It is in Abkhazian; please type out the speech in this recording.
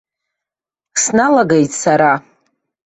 Сналагеит сара.